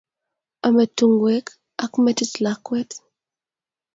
Ame tungwek ak metit lakwet